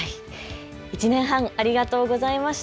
１年半ありがとうございました。